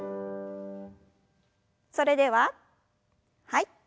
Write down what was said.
それでははい。